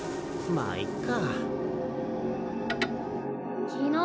・まあいっか。